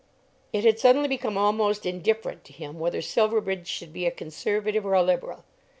It had suddenly become almost indifferent to him whether Silverbridge should be a Conservative or a Liberal.